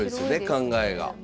考えが。